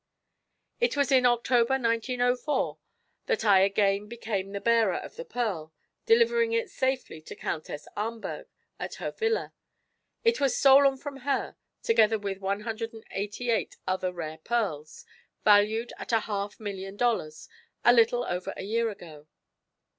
It was in October, 1904, that I again became the bearer of the pearl, delivering it safely to Countess Ahmberg at her villa. It was stolen from her, together with 188 other rare pearls, valued at a half million dollars, a little over a year ago."